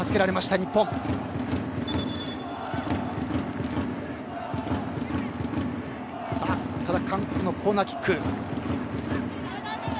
ただ、韓国のコーナーキック。